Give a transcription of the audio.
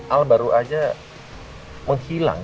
al baru aja menghilang